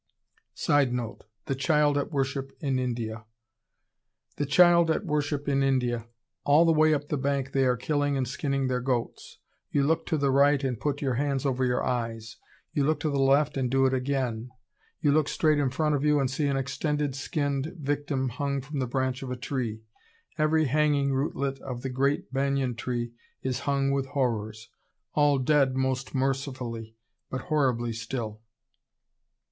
[Sidenote: The Child at Worship in India.] The Child at Worship in India! "All the way up the bank they are killing and skinning their goats. You look to the right and put your hands over your eyes. You look to the left, and do it again. You look straight in front of you and see an extended skinned victim hung from the branch of a tree. Every hanging rootlet of the great banyan tree is hung with horrors, all dead most mercifully, but horribly still....